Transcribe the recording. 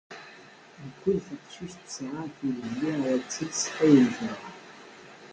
Mkul taqcict tesɛa tilelli ad tles ayen i tebɣa